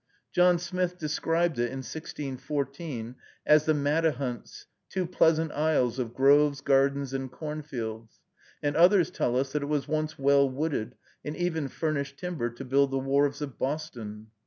John Smith described it in 1614 as "the Mattahunts, two pleasant isles of groves, gardens, and cornfields;" and others tell us that it was once well wooded, and even furnished timber to build the wharves of Boston.